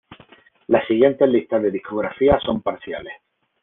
Las siguientes listas de discografía son parciales.